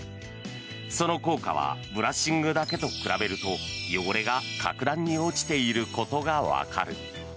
その効果はブラッシングだけと比べると汚れが格段に落ちていることがわかる。